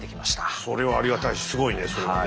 それはありがたいしすごいねそれはね。